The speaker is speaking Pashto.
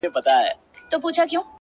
• زه به ولي نن د دار سر ته ختلاى,